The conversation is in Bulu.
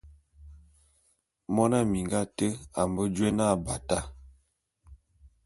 Mona minga ate a mbe jôé na Abata.